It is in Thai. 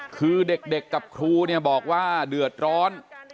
คือเด็กกับครูเนี่ยบอกว่าเดือดร้อน